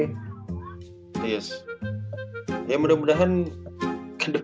ya mudah mudahan ke depannya sih mereka bisa nggak struggle lah itu